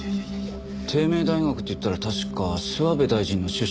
帝名大学っていったら確か諏訪部大臣の出身校だよな？